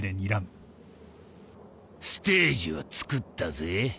ステージはつくったぜ。